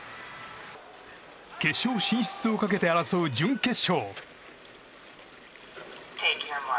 決勝進出をかけて争う準決勝。